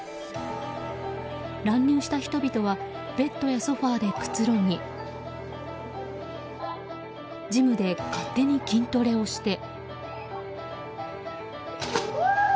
乱入した人々はベッドやソファでくつろぎジムで勝手に筋トレをして。